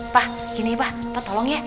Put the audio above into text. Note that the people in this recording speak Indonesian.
pak gini ya pak pak tolong ya